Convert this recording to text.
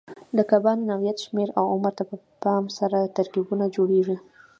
د کبانو نوعیت، شمېر او عمر ته په پام سره ترکیبونه جوړېږي.